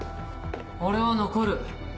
俺は残る。